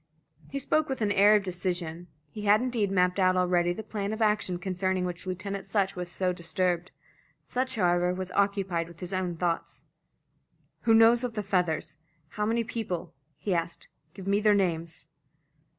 He spoke with an air of decision. He had indeed mapped out already the plan of action concerning which Lieutenant Sutch was so disturbed. Sutch, however, was occupied with his own thoughts. "Who knows of the feathers? How many people?" he asked. "Give me their names."